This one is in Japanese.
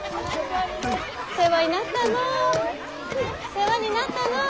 世話になったのう。